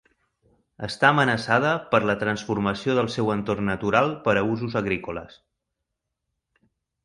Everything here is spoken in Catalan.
Està amenaçada per la transformació del seu entorn natural per a usos agrícoles.